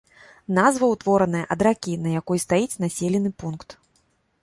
Назва ўтвораная ад ракі, на якой стаіць населены пункт.